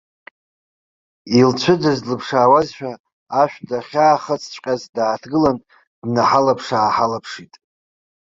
Илцәыӡыз длыԥшаауазшәа, ашә дахьаахыҵҵәҟьаз дааҭгылан, днаҳалаԥш-ааҳалаԥшит.